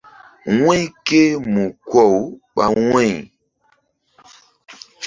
Wu̧y ké mu ko-aw ɓa wu̧y.